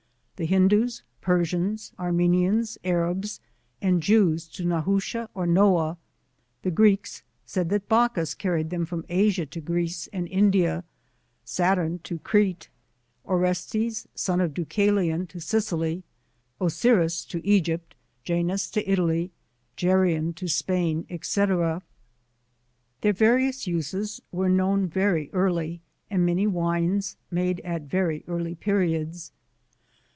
The Hindus, Persians, Armenians, Arabs, and Jews to Na husha or Noah. The Greeks said that Bacchus carried them from Asia to Greece and India, Saturn to Crete, Orestes son ot Deucalion, to Sicily, Osiris to Egypt, Janus to Italy, Geryon to Spain, &c. Their various uses GRAPE VINES. 27 were known very early, and many Wines made at very early periods.